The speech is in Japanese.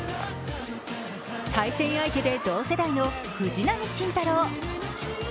対戦相手で同世代の藤浪晋太郎。